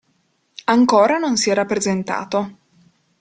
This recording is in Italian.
Ancora non si era presentato.